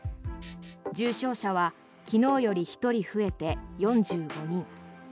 重症者は昨日より１人増えて４５人。